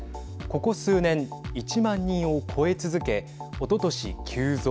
ここ数年１万人を超え続けおととし急増。